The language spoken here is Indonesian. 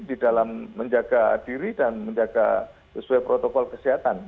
di dalam menjaga diri dan menjaga sesuai protokol kesehatan